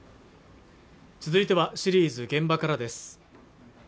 続いてはシリーズ「現場から」です